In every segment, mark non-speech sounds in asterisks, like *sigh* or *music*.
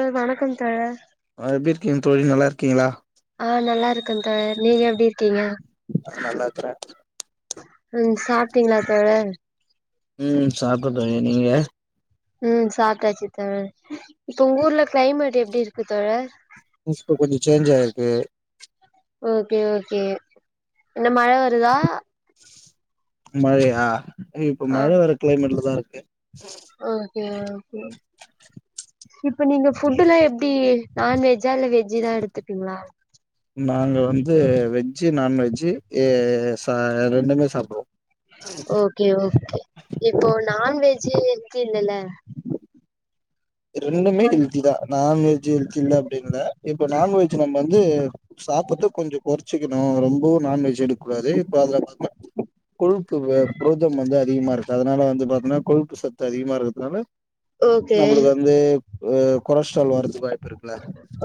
தோழ வணக்கம் தோழ ஆ எப்டி இருக்கீங்க தோழி நல்லா இருக்கீங்களா ஆ நல்லா இருக்கே தோழர் நீங்க எப்டி இருக்கீங்க நல்லாருக்குறே ம் சாப்ட்டீங்களா தோழர் ம் சாப்ட்டே தோழி நீங்க ம் சாப்ட்டாச்சி தோழர் இப்ப உங்க ஊர்ல கிளைமேட் எப்டி இருக்கு தோழர் இப்ப கொஞ்ச சேஞ்ச் ஆயிருக்கு ஓகே ஓகே என்ன மழ வருதா மழையா ஏ இப்ப ஆ மழ வர கிளைமேட்லதா இருக்கு ஓகே ஓகே இப்ப நீங்க ஃபுட்லா எப்டி நான்வெஜ்ஜா இல்ல வெஜ்தா எடுத்துப்பீங்களா நாங்க வந்து வெஜ் நான்வெஜ் ரெண்டுமே சாப்பிடுவோ ஓகே ஓகே இப்போ நான்வெஜ் எடுப்பீங்க இல்ல ரெண்டுமே ஹெல்தி தா நான்வெஜ் ஹெல்தி இல்ல அப்படின்னுல இப்ப நான்வெஜ் நம்ம வந்து சாப்புட்டு கொஞ்சோ குறைச்சிக்கணு ரொம்பவு நான்வெஜ் எடுக்க கூடாது இப்ப அத பாங்க கொழுப்பு வ புரோதம் வந்து அதிகமா இருக்கு அதனால வந்து பாத்தீன்னா கொழுப்பு சத்து அதிகமா இருக்கிறதுனால ஓகே இந்தே கொ கொலஸ்ட்ரால் வரத்துக்கு வாய்ப்பு இருக்குல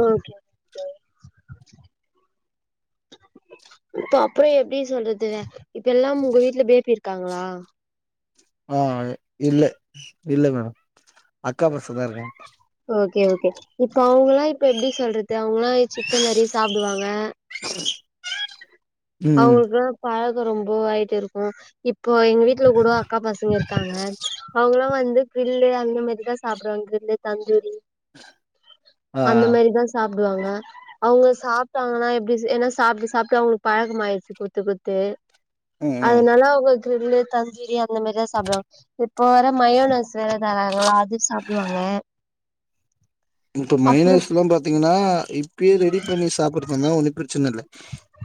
ஓகே இப்ப அப்பறம் எப்டி சொல்றது இப்ப எல்லா உங்க வீட்ல பேபி இருக்காங்களா ஆ இல்ல இல்ல மேம் அக்கா பசங்க இருக்காங்க ஓகே ஓகே இப்ப அவங்கல்லா இப்ப எப்டி சொல்றது அவங்கல்லா சிக்கன் நெறைய சாப்டுவாங்க ம் ம் அவுங்களுக்கு பழக்கோ ரொம்ப ஆயிட்டே இருக்கு இப் இப்போ எங்க வீட்ல கூட அக்கா பசங்க இருக்காங்க அவங்களா வந்து கில்லு அந்த மாரிதா சாப்டுவாங்க கில்லு தந்தூரி ஆ அந்த ஆ மாரிதா சாப்டுவாங்க அவுங்க சாப்படாங்கனா எப்டி ஏனா சாப்ட்டு சாப்ட்டு அவுங்களுக்கு பழக்கம் ஆகிடுச்சி குத்து குத்து ம் ம் அதனால அவுங்க கிர்லு தந்தூரியம் இனிமேதா சாப்டுவாங்க இப்ப வர மயோனசு தராங்களா அது சாப்டுவாங்க இப்ப அப்றோ மைனஸ் புல்லா பாத்தீங்னா இப்பயே ரெடி பண்ணி சாப்டுறதுனா ஒன்னு பிரச்சன இல்ல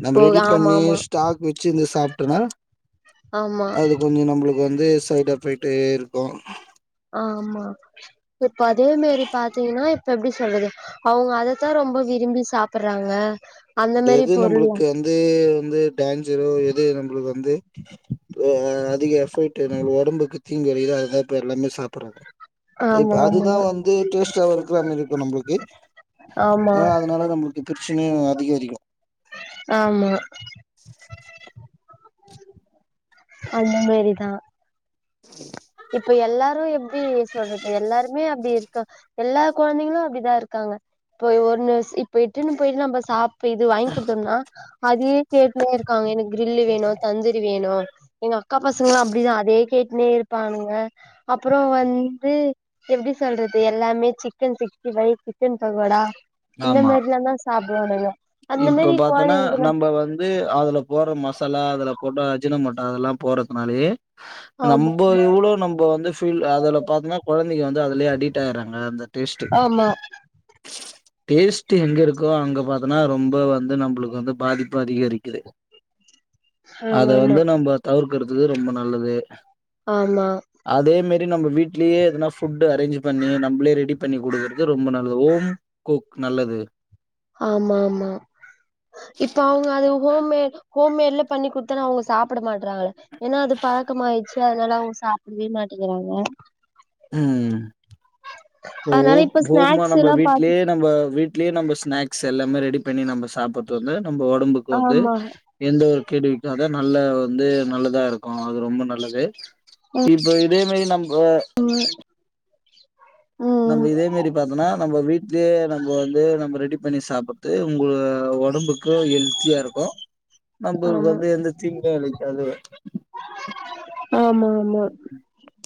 நம்ம ஓ ரெடி ஆமா பண்ணி ஆமா ஸ்டாக் வச்சிருந்து சாப்டனா ஆமா கொஞ்ச நம்ளுக்கு வந்து சைடு எஃபெக்ட் இருக்கு ஆ ஆமா இப்ப அதே மாரி பாத்தீங்கனா இப்ப எப்டி சொல்லுது அவங்க அதத்தா ரொம்ப விரும்பி சாப்றாங்க அந்த மாரி பொருள்லா நம்மளுக்கு வந்து எது வந்து டேஞ்சரோ எது நம்ளுக்கு வந்து அ அதிக எஃப்ட் உடம்புக்கு தீங்கு வைக்குதோ அதுதா இப்ப எல்லாமே சாப்டுறாங்க இப்ப ஆமா ஆமா அதுதா வந்து டேஸ்டா இருக்கிறமாரி இருக்கு நம்ளுக்கு ஆமா அ அதனால நம்ளுக்கு பிரச்சனையு அதிகரிக்கு ஆமா அம்மேரிதா இப்ப எல்லாரு எப்டி சொல்றது எல்லாருமே அப்டி இருக்க எல்லாப் கொழந்தைங்களு அப்டிதா இருக்காங்க இப்ப ஒன்னுஸ் இப்ப இட்டுன்னு போயிட்டு நம்ம சாப் இப்ப இது வாங்கி குடுத்தோம்னா அதயே கேட்டுனு இருக்காங்க எனக் கிரில்லு வேணு தந்தூரி வேணு எங்க அக்கா பசங்களா அப்டிதா அதே கேட்டுனே இருப்பானுக அப்றோ வந்து எப்டி சொல்றது எல்லாமே chicken sixty five chicken pakoda இந்த ஆமா மாரிதாங்க சாப்புடுவானுக இப்ப பாத்தன்னா நம்ப வந்து வந்து அதுல போற மசாலா அதுல போட்ட அஜினமொட்டோ அதல்லாம் போறதுனாலயே ஆமா நம்ப இவ்வளோ நம்ப வந்து பீல் அதுல பாத்னா கொழந்தைங்க வந்து அதுலயே அடிட் ஆயிறாங்க அந்த டேஸ்ட் ஆமா டேஸ்ட் எங்க இருக்கோ அங்க பாத் அனா ரொம்ப வந்து நம்ளுக்கு வந்து பாதிப்பு அதிகரிக்குது அத ஆமா வந்து நம்ப தவிர்க்கறது ரொம்ப நல்லது ஆமா அதேமாரி நம்ம வீட்லேயே எதனா ஃபுட்டு் அரேஞ்ச் பண்ணி நம்மளே ரெடி பண்ணி குடுக்குறது ரொம்ப நல்லது கோக் நல்லது ஆமா ஆமா இப்ப அவுங்க அது ஹோம்மேட் ஹோம்மேட்ல பண்ணி குடுத்தால் அவுங்க சாப்ட மாட்றாங்க ஏனா அது பழக்கமாயிடுச்சு அதனால அவுங்க சாப்டவே மாட்டேங்கிறாங்க அ ஓ அதனால இப்ப போமா ஸ்நாக்ஸ் நம் எல்லா பாத்து வீட்லயே நம்ப வீட்லயே நம்ப ஸ்நாக்ஸ் எல்லாமே ரெடி பண்ணி நம்ப சாப்படுறது வந்து நம்ப உடம்புக்கு வந்து ஆமா எந்த ஒரு கேடுவிக்காத நல்ல வந்து நல்லதா இருக்கும் அது ரொம்ப நல்லது இப்ப இதே மாரி நம்ப வ நம்ப இதே மாரி பாத்தோனா நம்ம வீட்லயே நம்ப வந்து நம்ம ரெடி பண்ணி சாப்ட்து உங்க உடம்புக்கு த்து ஹெல்தியாருக்கும் *inaudible* நம்மளுக்கு ஆமா வந்து எந்த தீங்கு வக்காது ஆமா ஆமா *inaudible*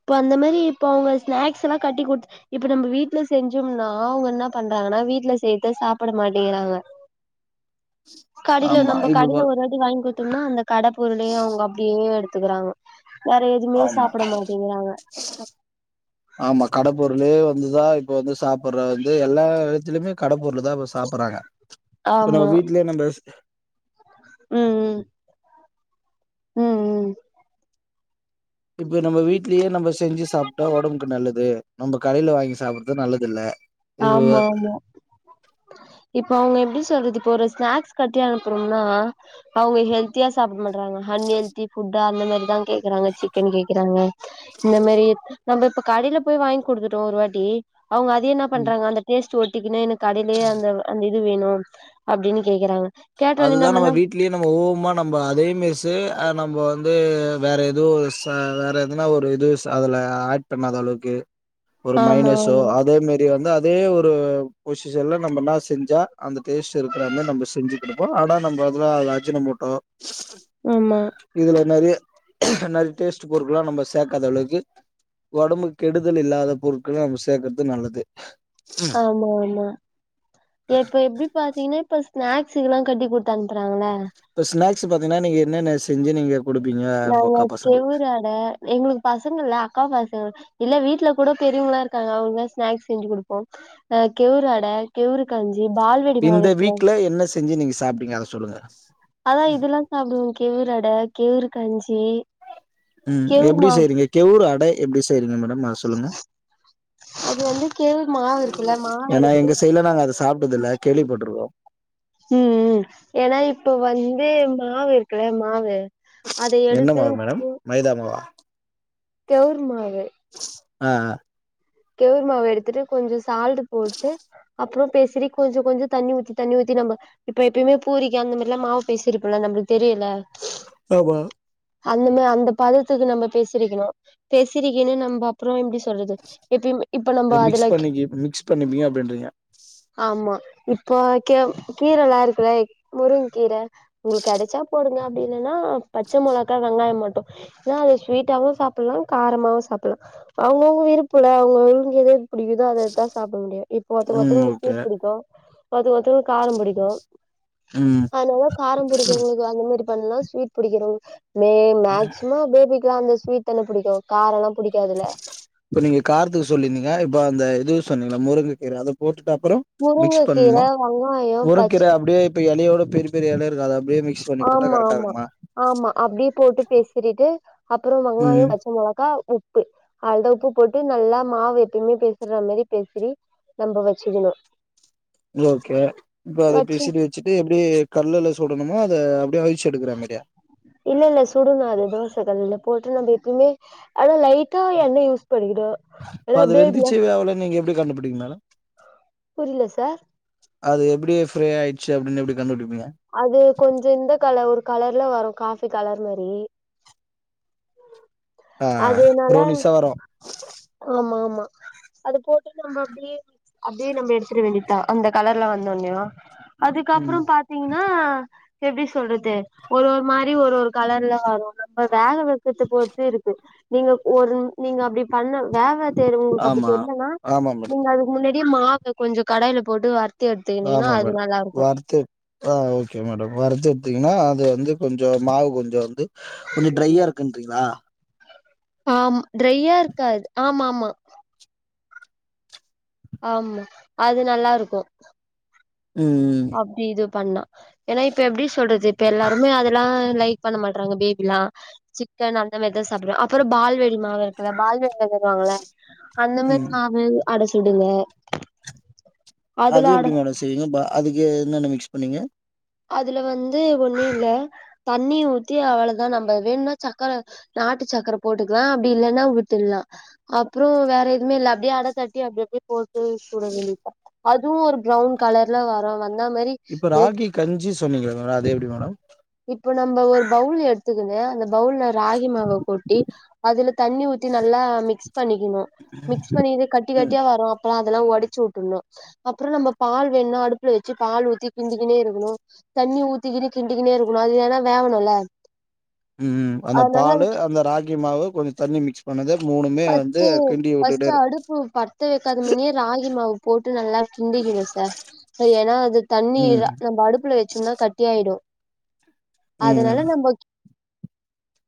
இப்ப அந்த மாரி இப்ப அவுங்க ஸ்நாக்ஸ்ல்லா கட்டி கொடுத் இப்ப நம்ம வீட்ல செஞ்சோம்னா அவங்க என்ன பண்றாங்கன்னா வீட்ல செய்றத சாப்பிட மாட்டிக்கிறாங்க கடைல ஆமா நம்ம இப்ப பா கடைல ஒரு வாட்டி வாங்கி குடுத்தம்ன்னா அந்த கட பொருளே அவங்க அப்டியே எடுத்துக்கறாங்க வேற எதுமே சாப்பிட மாட்டேங்கிறாங்க பிளாங்க் ஆமா கட பொருளே வந்து தா இப்ப வந்து சாப்பிடுறது வந்து எல்லா எடத்துலயும் கட பொருள் தா சாப்படுறாங்க இப்ப நம்ம ஆமா வீட்லயே நம்ம ம் ம் ம் ம் இப்ப நம்ம வீட்லயே நம்ம செஞ்சி சாப்ட்டா ஒடம்புக்கு நல்லது நம்ம கடேல வாங்கி சாப்ட்றது நல்லது இல்ல ஆமா ஆமா இப்போ அவங்கள எப்டி சொல்றது இப்போ ஒரு ஸ்னாக்ஸ் கட்டி அனுப்புறோம்னா அவங்க ஹெல்தியா சாப்பிட மாட்றாங்க அன் ஹெல்த்தி ஃபுட்டா அந்த மாரி தா கேக்குறாங்க சிக்கன் கேக்குறாங்க இந்த மாரி நம்ம இப்போ கடையில போய் வாங்கி குடுத்துட்டோ ஒரு வாட்டி அவங்க அது என்ன பண்றாங்க அந்த டேஸ்ட்டு ஒட்டிக்கின்னு கடைலயே அந்த அந்த இது வேணும் அப்டின்னு கேக்குறாங்க அது கேட்டோனே தா நம்ம என்ன வீட்டிலயே நம்ம ஓமா நம்ம அதேமேசு நம்ம வந்து வேற எதுவு வேற எதுனா ஒரு இது அதுல ஆட் பண்ணாத அளவுக்கு ஒரு மயனி ஆமா ஷோ அதே மாரி நீங்க வந்து அதே ஒரு பொசிஷன்ல நம்மன்னா செஞ்சா அந்த டேஸ்ட் இருக்கிறா மாரி நம்ம செஞ்சு குடுப்போ ஆனா நம்ம அதுல அஜுன மோட்டோ ஆமா ஆமா இதுல நெறைய நெறைய டேஸ்ட் பொருட்கல்லா நம்ம சேக்காத அளவுக்கு ஒடம்புக்கு கெடுதல் இல்லாத பொரு நில வேம்பு சேக்கறது நல்லது ஆமா ஆமா ஏ இப்ப எப்டி பாத்தீங்கன்னா இப்ப ஸ்னாக்ஸ் இதெல்லா கட்டி குடுத்து அனுப்புறாங்கல்ல இப்ப ஸ்நாக்ஸ் பாத்தீங்கன்னா நீங்க என்னென்ன செஞ்சு நீங்க குடுப்பீங்க உங்க அக்கா பசங்களுக்கு ங்க எங்களுக்காக பசங்க இல்ல அக்கா பசங்க இல்ல வீட்ல கூட பெரியவங்கல்லா இருக்காங்க அவங்களுக்கெல்லா ஸ்நாக்ஸ் செஞ்சி குடுப்போ கேவுரு அட கேவரு கஞ்சி பால்வடி மாவு இந்த இருக்குலங்க வீக்ல என்ன செஞ்சு நீங்க சாப்பிட்டீங்க அத சொல்லுங்க அதா இதெல்லா சாப்டுவோ கேவரு ஆட கேவுரு கஞ்சி ம் கெவுரு எப்டி மாவு செய்றீங்க கேவுறு ஆட எப்டி செய்றீங்க மேடம் அத சொல்லுங்க அது வந்து கெவுரு மாவு இருக்குல்ல மாவ ஏன்னா எடுத்துட்டு எங்க சைடுல நாங்க அது சாப்ட்டதுல்ல கேள்விப்பட்ருக்கோ ம் ம் ஏன்னா இப்ப வந்து மாவு இருக்குல மாவு அத என்ன எடுத்து மாவு மேடம் மைதா மாவா கேவுரு மாவு ஆ கெவுரு மாவு எடுத்துட்டு கொஞ்சோ சால்ட் போட்டு அப்றோ பெசறி கொஞ்ச கொஞ்ச தண்ணி ஊத்தி தண்ணி ஊத்தி நம்ம இப்போ எப்யுமே பூரிக்கு அந்த மாரில்லா மாவு பெசரிருப்போம்ல நம்மளுக்கு தெரியுமில்ல ஆமா அந்தமா அந்த பதத்துக்கு நம்ம பெசிரிக்கணு பெசிரி கினு நம்ம அப்றோ எப்டி சொல்றது எப்பயுமே இப்ப நம்ம மிக்ஸ் அதுல பண்ணி மிக்ஸ் பண்றீங்களா அப்படிங்கிறீங்க ஆமா இப்போ கீ கீரலா இருக்கு இல்ல முருங்க்கீர உங்களுக்கு கெடச்சா போடுங்க அப்டி இல்லன்னா பச்ச மொளகா வெங்காயோ மட்டும் ஏ அத ஸ்வீட்டாவு சாப்ட்லா காரமாவு சாப்ட்லா அவங்க அவங்க விருப் அவங்க அவங்க எது பிடிக்குதோ அததா சாப்பிட முடியும் இப்ப ஒருத்த ம் ஒருத்தருக்கு ஓகே ஸ்வீட் புடிக்கும் ஒருத்த ஒருத்தவங்களுக்கு காரோ புடிக்கும் ம் அதனால காரம் புடிக்கிறவங்களுக்கு அந்த மாரி பண்லா ஸ்வீட் பிடிக்கிறவங்க மே மேக்ஸிமம் பேபிகுல்லா அந்த ஸ்வீட் ஸ்வீட் தன புடிக்கும் காரோலா பிடிக்காதுல்ல இப்ப நீங்க காரத்துக்கு சொல்லிருந்தீங்க இப்ப அந்த இதுவு சொன்னீங்களா முருங்கு அதை போட்டுட்டு அப்பறோமிக்ஸ் முருங்கக்கீர பண்ணுமா வெங்காயம் பச்ச உறுக்கிற அப்டியே இப்ப இலையோடதூக்கி பெரியலை இருக்காது அப்டியே மிக்ஸ் பண்ணி போட்டா ஆமா கரெக்டா ஆமா இருக்குமா ஆமா அப்டியே போட்டு பேசறிட்டு அப்றம் ம் வெங்காயோம் பச்சை மெளகா உப்பு அதோட உப்பு போட்டு நல்லா மாவு எப்பவுமே பேசுற மாதிரி பேசுறி நம்ம வச்சுக்கணும் இது ஓகே இப்ப‌ அது வச்சு பேசுறு வச்சிட்டு எப்டி கல்லல சுடணம அத அப்டியே அழிச்சு எடுக்கற மாரியா இல்ல இல்ல சுடுணும் அது தோச கல்ல போட்டு நம்ம எப்பயுமே ஆனா லைட் டா என்ன யூஸ் பண்ணிக்றோ இப்ப நல்லா அது அப்டியே *unintelligible* நீங்க எப்டி கண்டுபடிங்க மேடம் புரில சார் அது எப்டி ஃப்ரே ஆயிச்சு அப்டின்னு எப்பனடி கண்டுபடிப்பீங்க அது கொஞ்சோ இந்த கலர் ஒரு கலர்ல வரும் காபி கலர் மாரி ஆ அதேனால ப்ரௌனிஸா வரு ஆமா ஆமா அது போட்டுட்டு நம்ம அப்டியே அப்டியே நம்ம எடுத்துட வேண்டிதா அந்த கலர்ல வந்தோனோ ம் அதுக்கப்புறம் பாத்தீங்கன்னா எப்டி சொல்றது ஒரு ஒரு மாரி ஒரு ஒரு கலர்ல வரும் நம்ம வேக வக்கத்தை பொறுத்து இருக்கு நீங்க ஒரு நீங்க அப்டி பண்ண வேக வச்சது உங்களுக்கு அப்டி ஆமா தெரிலனா ஆமா மேடம் நீங்க அது முன்னாடியே மாவ கொஞ்சோ கடாய்ல போட்டு வறுத்து எடுத்துக்கிட்டீங்கன்னா ஆமா அது மேடம் நல்லா இருக்கூ வறுத்து ஆ ஓகே மேடம் வருத்து எடுத்தீங்கன்னா அது வந்து கொஞ்சம் மாவு கொஞ்சம் வந்து கொஞ்சோ ட்ரையா இருக்குன்றீங்களா ஆம் ட்ரையா இருக்காது ஆமா ஆமா ஆமா அது நல்லா இருக்கும் உம்ம் அப்டி இது பண்ணா ஏன்னா இப்ப எப்படி சொல்றது இப்ப எல்லாருமே அதெல்லாம் லைக் பண்ண மாட்றாங்க பேபி எல்லா சிக்கன் அந்த மாரிதா சாப்டுவே அப்புறொ பால்வேல மாவ இருக்கல பால்வில வாங்கள அந்த மாரி ம் மாவு அட சுடுவ அது எப்டி மேடம் செய்வீங்க பா அதுக்கு என்னென்ன மிக்ஸ் பண்ணீங்க அதுல வந்து ஒண்ணு இல்ல தண்ணி ஊத்தி அவ்ளதா நம்ம வேணுனா சக்கர நாட்டு சக்கர போட்டுக்லா அப்டி இல்லன்னா விட்டுலா அப்றோ வேற எதுமே இல்ல அப்டியே அட தட்டி அப்டி அப்டியே போ டு சுட வேண்டிதா அதுவு ஒரு ப்ரௌன் கலர்ல வரு வந்த மாரி இப்ப ராகி கஞ்சி சொன்னீங்கல மேடம் அது எப்டி மேடம் இப்போ நம்ப ஒரு பவுள் எடுத்துக்கங்க அந்த பவுள்ள ராகி மாவகொட்டி அதுல தண்ணி ஊத்தி நல்லா மிக்ஸ் பண்ணிக்கிணு மிக்ஸ் பண்ணிட்டு கட்டி ம் கட்டியா வரு அப்பற அதெல்லா ஒடச்சு வுட்டுர்ணு அப்பறொ நம்ம பால் வேண்ணா அடுப்புல வெச்சு பால் ஊத்தி கிண்டிக்கினே இருக்கணு தண்ணி ஊத்திகினு கிண்டிக்கின்னே இருக்குணு அது ஏன்னா வேவணு இல்ல ம் அந்த பாலு அந்த ராகி மாவு கொஞ்ச தண்ணி மிக்ஸ் பண்ணத மூணுமே வந்து ஃபஸ்ட்டு கிண்டி ஃபஸ்ட்டு வுட்டுட்டே அடுப்பு பத்த வேக்காத முன்னே ராகி மாவு போட்டு நல்லா கிண்டிக்கிணு சார் சரி ஏன்னா அது தண்ணி ம் நம்ம அடுப்புல வச்சோம்னா கட்டிாயிடு ம் அதனால நம்பக்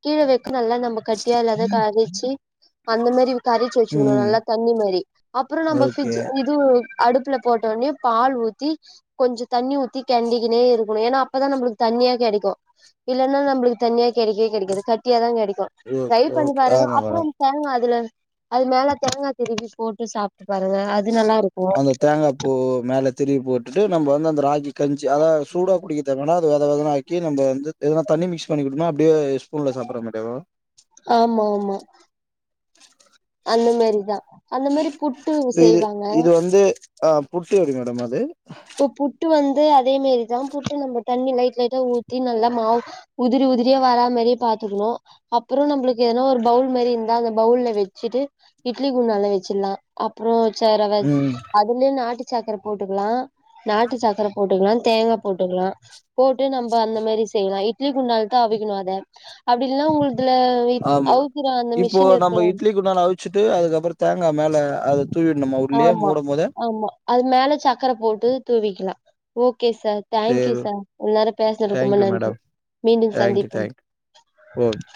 கீழ வெக்குணு இல்ல நம்ம கட்டியா இல்லாத வெச்சி அந்த மாரி கரைச்சு வச்சுக்கணு ம் நல்லா தண்ணி மாரி அப்புறொ நம்ம ஓகே பிரிட்ஜ் இது அடுப்புல போட்டோனே பால் ஊத்தி கொஞ்ச தண்ணி ஊத்தி கிண்டிகினே இருக்குணு ஏன்னா அப்பதா நம்மளுக்கு தண்ணியா கெடைக்கூ இல்லன்னா நம்பளுக்கு தண்ணியா கெடைக்கவே கெடைக்காது கட்டியாதா கெடைக்கூ ஓ ட்ரை பண்ணி ஓகே பாருங்க ஆமா அப்புறொ மேடம் தேங்கா அதுல அது மேல தேங்கா திருவி போட்டு சாப்ட்டு பாருங்க அது நல்லா இருக்கூ ஓ மேல திருவி போட்டுட்டு நம்ப வந்து அந்த ராகி கஞ்சி அதா சூடா குடிக்க இத்த வேணா அத வத வதன்னாக்கி நம்ப வந்து எதனா தண்ணி மிகஸ் பண்ணிகூடுதா அப்டே ஸ்பூன்ல சாப்பற மாரியா ப்ரோ ஆமா ஆமா அந்த மாரிதா அந்த மாரி புட்டு இப்ப இது செய்வாங்க இது வந்து ஆ புட்டு வரி மேடம் அது இப்போ புட்டு வந்து அதேமாரிதா புட்டு நம்ம தண்ணி லைட் லைட்டா ஊத்தி நல்லா மாவு உதிரி உதிரியா வரா மாரியே பாத்துக்கணு அப்புறோ நம்பளுக்கு எதனா ஒரு பவுல் மாரி இருந்தா அந்த பவுல்ல வச்சுட்டு இட்லி குன்டான்ல வச்சிட்லா அப்புறோ சேர் அவ ம் அதுலே நாட்டு சக்கர போட்டுக்லா நாட்டு சாக்கர போட்டுக்கலா தேங்கா போட்டுக்கலா போட்டு நம்ப அந்த மாரி செய்லா இப் இட்லி குண்டால்த்தா அவிக்கிணு அத அப்டி இல்னா உங்குள்துல வைக் ஆமா இப்போ நம்ப இட்லி குண்டான அவிச்சுட்டு அதுக்கப்பறோ தேங்கா மேல அதுத் தூவிட்னுமா உள்ளியே ஆமா, மூடம்மோதே ஆமா. அது மேல சக்கர போட்டு தூவிக்கிலா ஓகே சார் தேங்க்யூ சேரி சார் இவ்ளோ நேரோ பேசுனதுக்கு ரொம்ப தேங்க்யூ நன்றி மேடம் மீண்டும் சந்திப்போம் ஓக்